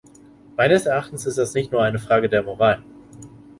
Meines Erachtens ist das nicht nur eine Frage der Moral.